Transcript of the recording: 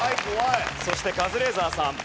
そしてカズレーザーさん。